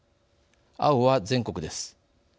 青は全国です。